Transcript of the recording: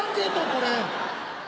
これ。